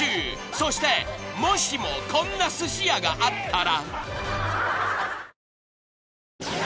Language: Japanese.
［そしてもしもこんなすし屋があったら］